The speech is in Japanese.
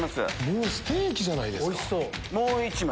もうステーキじゃないですか。